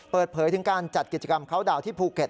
เปิดเผยถึงการจัดกิจกรรมเขาดาวนที่ภูเก็ต